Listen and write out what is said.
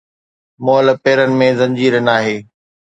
مئل پيرن ۾ زنجير ناهي